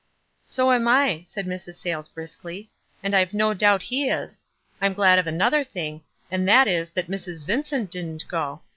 "So am I," said Mrs. Sayles briskly. "And I've no doubt he is. I'm glad of another thing, and that is, that Mrs. Vincent didn't go.